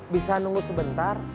bisa nunggu sebentar